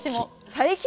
最近。